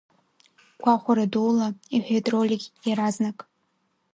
Гәахәара дула, – иҳәеит Ролик иаразнак.